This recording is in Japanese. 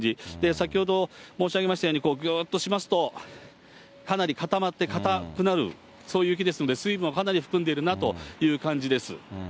先ほど申し上げましたように、ぐーっとしますと、かなり固まってかたくなる、そういう雪ですので、水分をかなり含んでいるなという感じです。